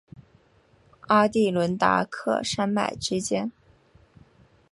阿第伦达克山脉之间。